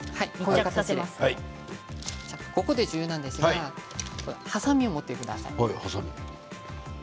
ここで重要なんですがはさみを持ってください。